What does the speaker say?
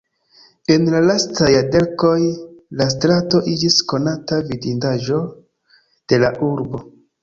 En la lastaj jardekoj, la strato iĝis konata vidindaĵo de la urbo.